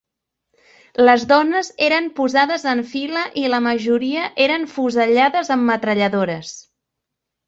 Les dones eren posades en fila i la majoria eren fusellades amb metralladores.